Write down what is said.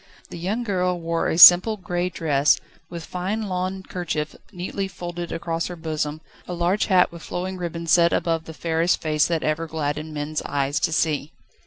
The young girl wore a simple grey dress, with fine lawn kerchief neatly folded across her bosom, a large hat with flowing ribbons sat above the fairest face that ever gladdened men's eyes to see.